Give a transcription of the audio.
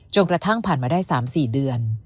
กระทั่งผ่านมาได้๓๔เดือน